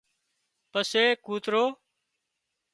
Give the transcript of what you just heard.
پسي ڪوترو